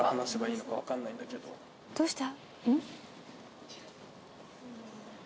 どうした？